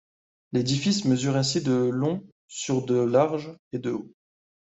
L'édifice mesure ainsi de long sur de large et de haut.